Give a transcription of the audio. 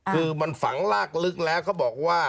คือมันฝังลากลึกแล้วเขาบอกว่า